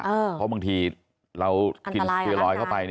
เพราะบางทีเรากินเยลอยเข้าไป